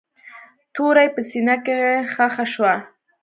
توره يې په سينه کښې ښخه شوه.